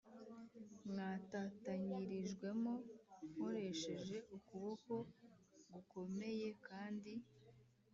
mwatatanyirijwemo nkoresheje ukuboko gukomeye kandi